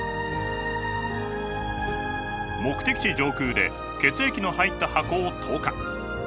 目的地上空で血液の入った箱を投下。